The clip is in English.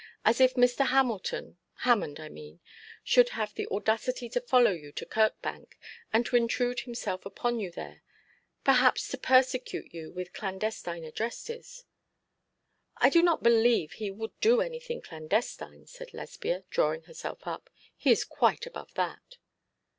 'And if Mr. Hamilton Hammond, I mean should have the audacity to follow you to Kirkbank, and to intrude himself upon you there perhaps to persecute you with clandestine addresses ' 'I do not believe he would do anything clandestine,' said Lesbia, drawing herself up. 'He is quite above that.'